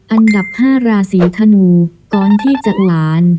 อันดับห้าราศีธนูก่อนที่จะหวาน